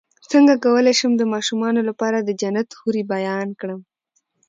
څنګه کولی شم د ماشومانو لپاره د جنت حورې بیان کړم